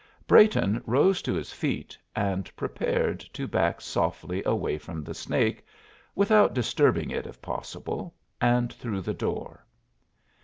Brayton rose to his feet and prepared to back softly away from the snake, without disturbing it if possible, and through the door.